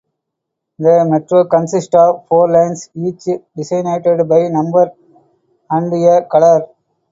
The Metro consists of four lines, each designated by a number and a colour.